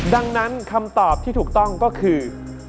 ดังนั้นคำตอบที่ถูกต้องก็คือ